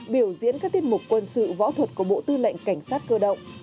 biểu diễn các tiết mục quân sự võ thuật của bộ tư lệnh cảnh sát cơ động